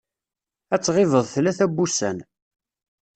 Ad tɣibeḍ tlata n wussan.